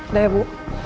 udah ya bu